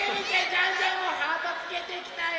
ジャンジャンもハートつけてきたよ！